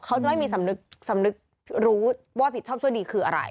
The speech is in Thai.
เขาจะไม่มีสำนึกสำนึกรู้ว่าผิดชอบชั่วดีคืออะไร